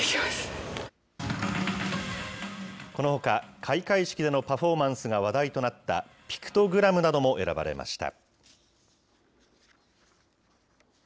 このほか、開会式でのパフォーマンスが話題となったピクトグラムなども選ばれました。